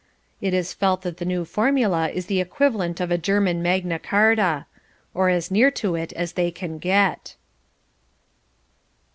It is felt that the new formula is the equivalent of a German Magna Carta or as near to it as they can get.